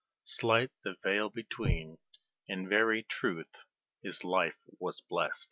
slight the veil between, in very truth his life was blest.